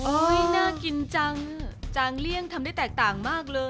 น่ากินจังจางเลี่ยงทำได้แตกต่างมากเลย